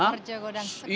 horja godang sekali